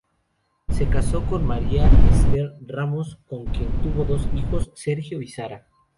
Se casó con María Esther Ramos con quien tuvo dos hijos: Sergio y Sara.